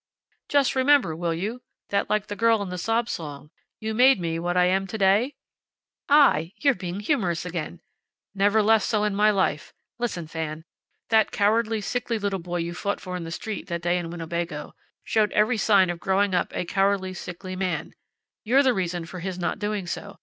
Just remember, will you, that like the girl in the sob song, `You made me what I am to day?'" "I! You're being humorous again." "Never less so in my life. Listen, Fan. That cowardly, sickly little boy you fought for in the street, that day in Winnebago, showed every sign of growing up a cowardly, sickly man. You're the real reason for his not doing so.